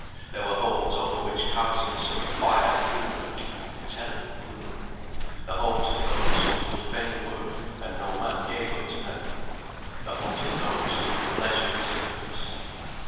There were homes over which Carsons' fire threw a deep, terrible gloom; the homes of those who would fain work, and no man gave unto them the homes of those to whom leisure was a curse.